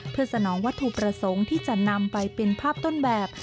เพื่อสนองวัตถุประสงค์ที่จะนำไปเป็นภาพต้นแบบ